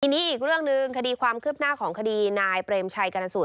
ทีนี้อีกเรื่องหนึ่งคดีความคืบหน้าของคดีนายเปรมชัยกรณสูตร